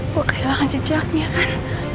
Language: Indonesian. gue kehilangan jejaknya kan